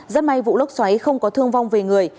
rất may vụ lốc xoáy không có thương vong về người